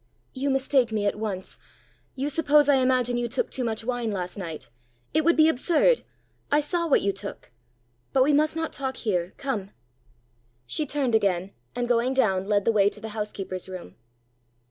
"You mistake me at once! You suppose I imagine you took too much wine last night! It would be absurd. I saw what you took! But we must not talk here. Come." She turned again, and going down, led the way to the housekeeper's room.